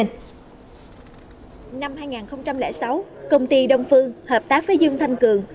năm hai nghìn sáu công ty đông phương hợp tác với dương thanh cường